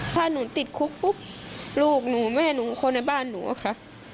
ถ้าหนูติดคุกปุ๊บลูกหนูแม่หนูคนในบ้านหนูอะค่ะ